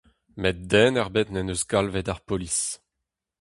Met den ebet n'en deus galvet ar polis.